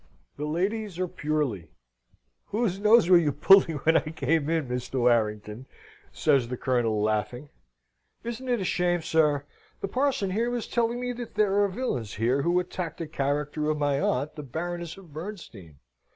"The ladies are purely. Whose nose were you pulling when I came in, Mr. Warrington?" says the Colonel, laughing. "Isn't it a shame, sir? The parson, here, was telling me that there are villains here who attack the character of my aunt, the Baroness of Bernstein!"